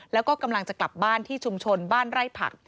แล้วก็กำลังจะกลับบ้านที่ชุมชนบ้านไร่ผัก